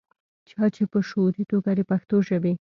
چا چې پۀ شعوري توګه دَپښتو ژبې